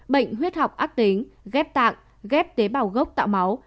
bệnh huyết học ác tính ghép tạng ghép tế bào gốc tạo máu